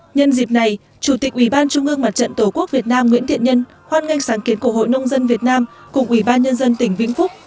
nhân dịp này chủ tịch ubnd tổ quốc việt nam nguyễn thiện nhân hoan nghênh sáng kiến cổ hội nông dân việt nam cùng ubnd tỉnh vĩnh phúc